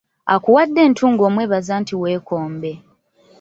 Akuwadde entungo omwebaza nti weekombe.